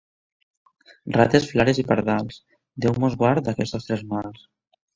Rates, frares i pardals, Déu ens guard d'aquests tres mals.